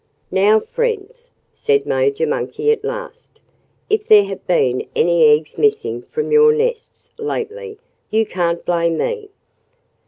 "Now, friends," said Major Monkey at last, "if there have been any eggs missing from your nests lately you can't blame me."